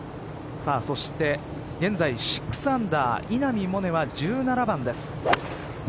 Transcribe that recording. そして現在６アンダー稲見萌寧は１７番です。